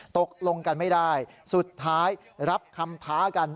ตกลงกันไม่ได้สุดท้ายรับคำท้ากัน